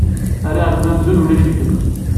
Rriɣ-kem amzun ulac-ikem.